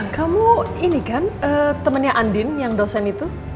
kamu ini kan temennya andin yang dosen itu